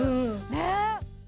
ねえ。